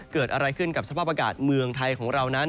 เกิดอะไรขึ้นกับสภาพอากาศเมืองไทยของเรานั้น